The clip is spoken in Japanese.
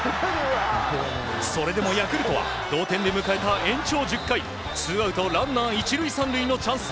それでもヤクルトは同点で迎えた延長１０回ツーアウトランナー、１塁３塁のチャンス。